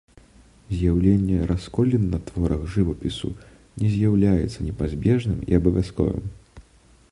З'яўленне расколін на творах жывапісу не з'яўляецца непазбежным і абавязковым.